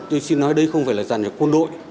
tôi xin nói đây không phải là giàn nhạc quân đội